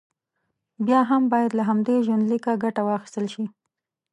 بیا هم باید له همدې ژوندلیکه ګټه واخیستل شي.